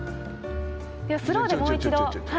ではスローでもう一度。